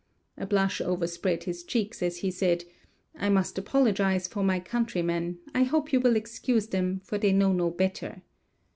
A blush overspread his cheeks as he said: "I must apologize for my countrymen; I hope you will excuse them, for they know no better."